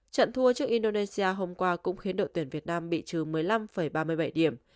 trận thua trước indonesia hôm qua cũng khiến đội tuyển việt nam bị trừ một mươi năm ba mươi bảy điểm